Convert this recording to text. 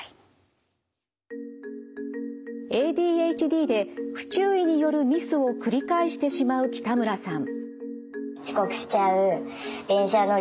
ＡＤＨＤで不注意によるミスを繰り返してしまう北村さん。